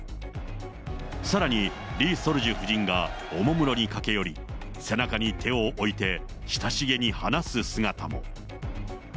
さらにリ・ソルジュ夫人がおもむろに駆け寄り、背中に手を置いて、親しげに話す姿も。